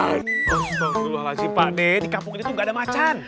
astagfirullahaladzim pak di kampung ini tuh nggak ada macan